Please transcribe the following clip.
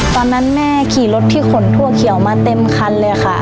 ตอนนั้นแม่ขี่รถที่ขนถั่วเขียวมาเต็มคันเลยค่ะ